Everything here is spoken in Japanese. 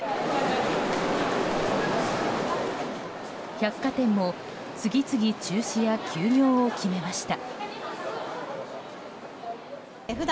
百貨店も次々中止や休業を決めました。